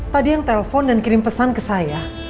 tadi yang telpon dan kirim pesan ke saya